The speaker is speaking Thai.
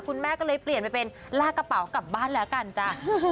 คุณแม่ก็เลยเปลี่ยนไปเป็นลากกระเป๋ากลับบ้านแล้วกันจ้ะ